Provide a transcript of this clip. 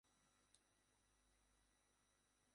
শোলার কী অবস্থা?